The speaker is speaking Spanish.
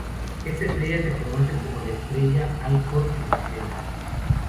Esta estrella se conoce como la estrella Alcor en occidente.